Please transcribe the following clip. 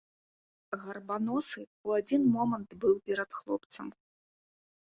Гарбаносы ў адзін момант быў перад хлопцам.